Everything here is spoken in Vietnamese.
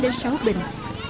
bốn đến sáu bình